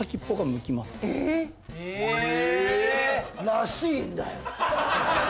らしいんだよ